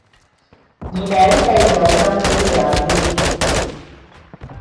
Nyina yali tayinza butamugulira ngoye .